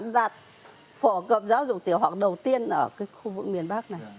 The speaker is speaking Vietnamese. đạt phở cập giáo dục tiểu học đầu tiên ở cái khu vực miền bắc này